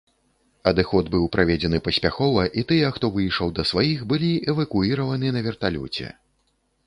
Адыход быў праведзены паспяхова і тыя, хто выйшаў да сваіх былі эвакуіраваны на верталёце.